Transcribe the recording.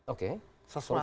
oke korupsi kebijakan